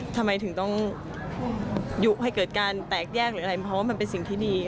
ทำไมถึงต้องยุให้เกิดการแตกแยกหรืออะไรเพราะว่ามันเป็นสิ่งที่ดี